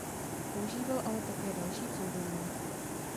Používal ale také další pseudonymy.